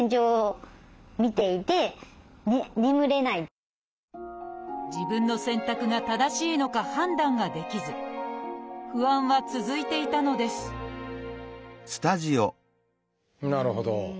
しかし自分の選択が正しいのか判断ができず不安は続いていたのですなるほど。